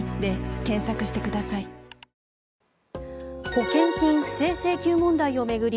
保険金不正請求問題を巡り